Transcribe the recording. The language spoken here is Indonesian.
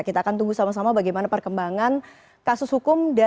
kita akan tunggu sama sama bagaimana perkembangan kasus hukum